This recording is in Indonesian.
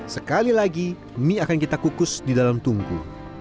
sekali lagi mie akan kita kukus di dalam tungku